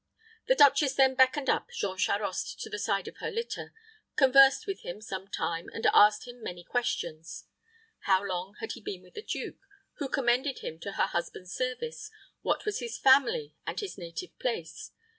The duchess then beckoned up Jean Charost to the side of her litter, conversed with him some time, and asked him many questions: how long he had been with the duke, who commended him to her husband's service, what was his family and his native place.